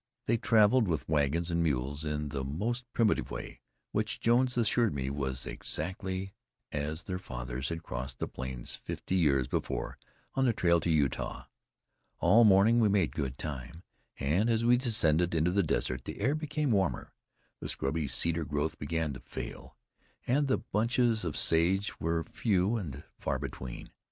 They traveled with wagons and mules, in the most primitive way, which Jones assured me was exactly as their fathers had crossed the plains fifty years before, on the trail to Utah. All morning we made good time, and as we descended into the desert, the air became warmer, the scrubby cedar growth began to fail, and the bunches of sage were few and far between.